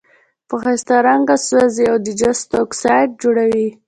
په ښایسته رنګ سوزي او د جستو اکسایډ جوړوي.